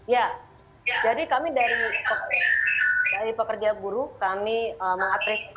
ya jadi kami dari pekerja buruh kami mengapresiasi